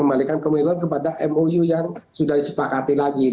untuk yang sudah disepakati lagi